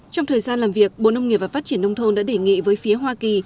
trong thời gian làm việc bộ nông nghiệp và phát triển nông thôn đã đề nghị với phía hoa kỳ